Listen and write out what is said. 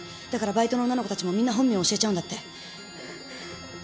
だからバイトの女の子たちもみんな本名を教えちゃうんだって。